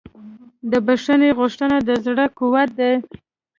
د بښنې غوښتنه د زړه قوت دی.